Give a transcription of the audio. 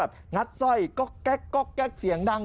รับหนักซ่อยก็แกะก็แกะเสียงดัง